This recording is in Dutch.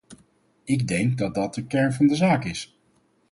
Ik denk dat dat de kern van de zaak is.